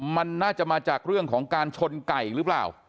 มันน่าจะมาจากเรื่องของการชนไก่หรือเปล่า